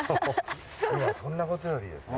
そんなことよりですね